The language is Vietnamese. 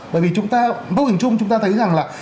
bởi vì chúng ta vô hình chung chúng ta thấy rằng là